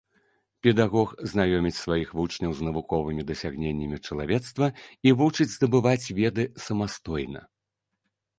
Педагог знаёміць сваіх вучняў з навуковымі дасягненнямі чалавецтва і вучыць здабываць веды самастойна.